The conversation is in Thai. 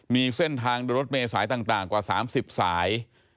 มีเส้นทางโดยรถเมษายต่างกว่า๓๐สาย